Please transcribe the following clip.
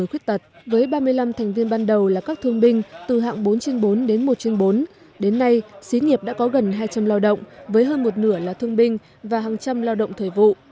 xí nghiệp tập thể thương binh quang minh và người khuyết tật với ba mươi năm thành viên ban đầu là các thương binh từ hạng bốn trên bốn đến một trên bốn đến nay xí nghiệp đã có gần hai trăm linh lao động với hơn một nửa là thương binh và hàng trăm lao động thời vụ